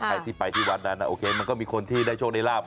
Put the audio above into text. ใครที่ไปที่วัดนั้นโอเคมันก็มีคนที่ได้โชคได้ลาบ